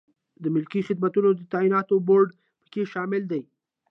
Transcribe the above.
د ملکي خدمتونو د تعیناتو بورد پکې شامل دی.